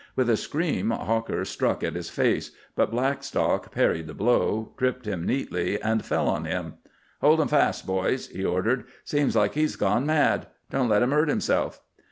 With a scream, Hawker struck at his face, but Blackstock parried the blow, tripped him neatly, and fell on him. "Hold him fast, boys," he ordered. "Seems like he's gone mad. Don't let him hurt himself."